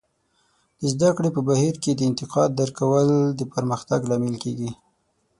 د زده کړې په بهیر کې د انتقاد درک کول د پرمختګ لامل کیږي.